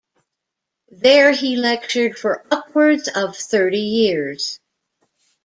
There he lectured for upwards of thirty years.